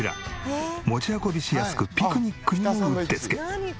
持ち運びしやすくピクニックにもうってつけ！